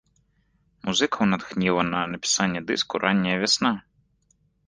Музыкаў натхніла на напісанне дыску ранняя вясна.